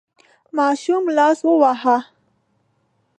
ماشوم لاس وواهه.